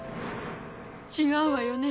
違うわよね？